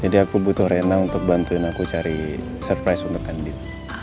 jadi aku butuh rena untuk bantuin aku cari surprise untuk andin